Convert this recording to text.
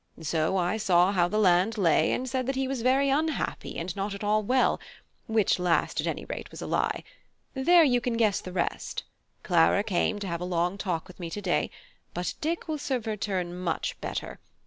So I saw how the land lay, and said that he was very unhappy, and not at all well; which last at any rate was a lie. There, you can guess the rest. Clara came to have a long talk with me to day, but Dick will serve her turn much better.